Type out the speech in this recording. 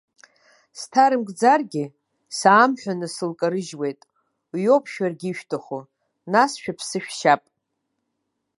Сҭарымкӡаргьы, саамҳәаны сылкарыжьуеит, уи ауп шәаргьы ишәҭаху, нас шәыԥсы шәшьап!